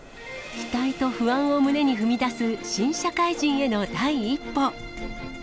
期待と不安を胸に踏み出す、新社会人への第一歩。